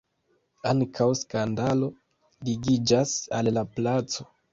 Ankaŭ skandalo ligiĝas al la placo.